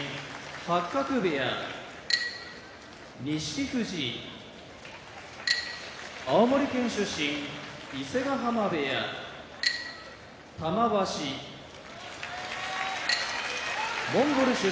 八角部屋錦富士青森県出身伊勢ヶ濱部屋玉鷲モンゴル出身